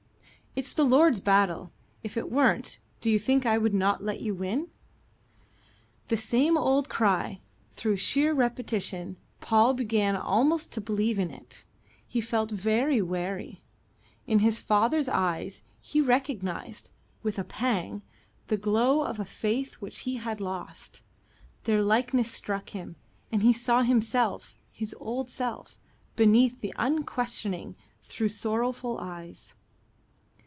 "It's the Lord's battle. If it weren't, do you think I would not let you win?" The same old cry. Through sheer repetition, Paul began almost to believe in it. He felt very weary. In his father's eyes he recognized, with a pang, the glow of a faith which he had lost. Their likeness struck him, and he saw himself, his old self, beneath the unquestioning though sorrowful eyes.